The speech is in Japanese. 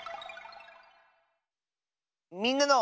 「みんなの」。